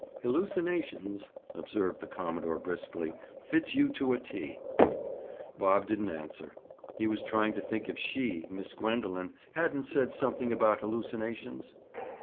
"Hallucinations!" observed the commodore briskly. "Fits you to a T!" Bob didn't answer. He was trying to think if she—Miss Gwendoline—hadn't said something about hallucinations?